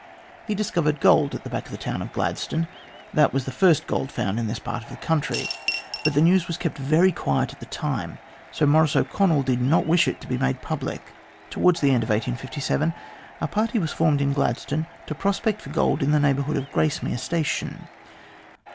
He discovered gold at the back of the town of Gladstone. That was the first gold found in this part of the country, but the news was kept very quiet at the time. Sir Maurice O'Connell did not wish it to be made public. Towards the end of 1857, a party was formed in Glad stone to prospect for gold in the neighbourhood of Gracemere Station.